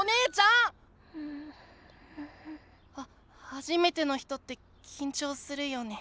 はじめての人ってきんちょうするよね。